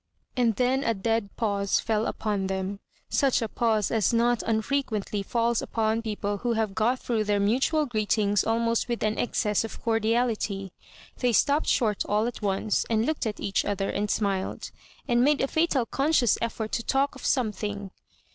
And then a dead pause fell upon them — such a pause as not unfrequently falls upon people who have got through their mutual greetings almost with an excess of cordiality. Tliey stopped short all at once, and looked at each other, and smiled, and made a fatal conscious effort to talk of some thing.